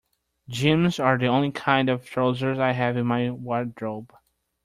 Jeans are the only kind of trousers I have in my wardrobe.